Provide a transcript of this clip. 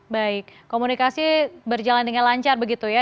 baik komunikasi berjalan dengan lancar begitu ya